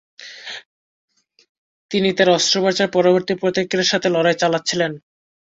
তিনি তার অস্ত্রোপচার পরবর্তী প্রতিক্রিয়ার সাথে লড়াই চালাচ্ছিলেন।